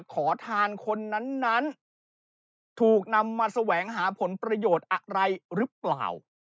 ขอทานคนนั้นถูกนำมาแสวงหาผลประโยชน์อะไรหรือเปล่า